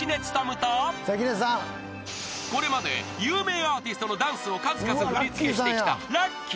［これまで有名アーティストのダンスを数々振り付けしてきた］